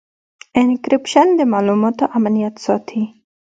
انکریپشن د معلوماتو امنیت ساتي.